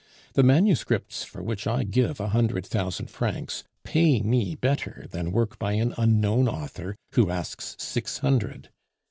The manuscripts for which I give a hundred thousand francs pay me better than work by an unknown author who asks six hundred.